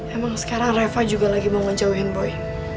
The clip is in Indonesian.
emang sekarang reva juga lagi mau ngejauhin boy